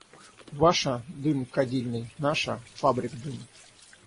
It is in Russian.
Ваша — дым кадильный, наша — фабрик дым.